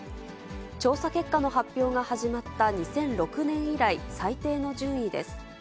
調査結果の発表が始まった２００６年以来、最低の順位です。